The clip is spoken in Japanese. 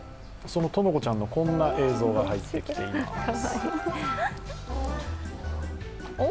そのとのこちゃんのこんな映像が入ってきています。